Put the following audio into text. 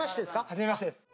初めましてです。